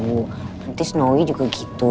nanti snowy juga gitu